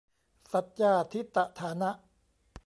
สัจจาธิฏฐานะ